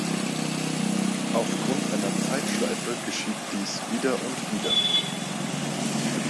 Aufgrund einer Zeitschleife geschieht dies wieder und wieder.